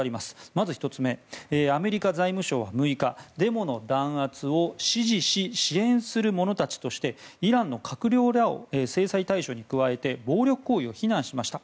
まず１つ目アメリカ財務省は６日デモの弾圧を支持し、支援する者たちとしてイランの閣僚らを制裁対象に加えて暴力行為を非難しました。